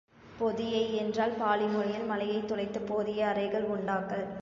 பொதியை யென்றால் பாலி மொழியில் மலையைத் துளைத்துப் போதிய அறைகள் உண்டாக்கல்.